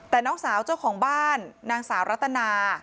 แต่น้องสาวเจ้าของบ้านนางสาวรัตนา